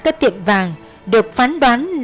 các tiệm vàng được phán đoán